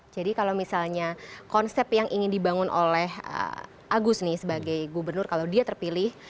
jadi kalau misalnya konsep yang ingin dibangun oleh agus nih sebagai gubernur kalau dia terpilih